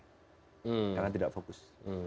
karena tidak fokus